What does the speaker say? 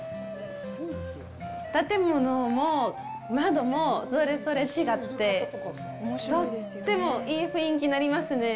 建物も、窓も、それぞれ違って、とってもいい雰囲気になります。